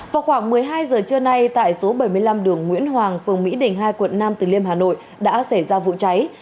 vào khoảng một mươi hai giờ trưa nay tại số bảy mươi năm đường nguyễn hoàng phường mỹ đình hai quận nam từ liêm hà nội đã xảy ra vụ cháy